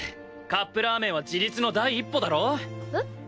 カップラーメンは自立の第一歩だろ？えっ？